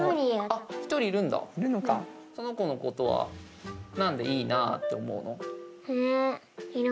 その子のことは何でいいなと思うの？